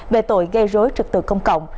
về tội gây rối trực tực công cộng